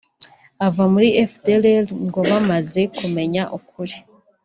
Abava muri fdlr ngo bamaze kumenya ukuri